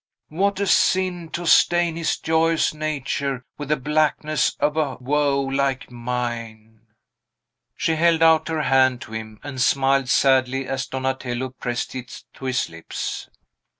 what a sin to stain his joyous nature with the blackness of a woe like mine!" She held out her hand to him, and smiled sadly as Donatello pressed it to his lips.